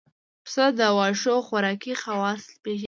پسه د واښو خوراکي خواص پېژني.